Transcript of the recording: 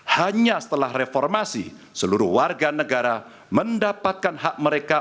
hanya setelah reformasi seluruh warga negara mendapatkan hak mereka